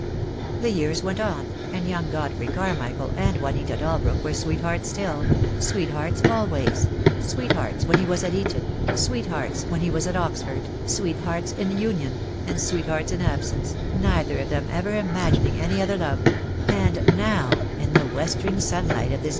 The years went on, and young Godfrey Carmichael and Juanita Dalbrook were sweethearts still — sweethearts always — sweethearts when he was at Eton, sweethearts when he was at Oxford, sweethearts in union, and sweet hearts in absence, neither of them ever imagining any other love; and now, in the westering sunlight of this THE DAY WILL COME.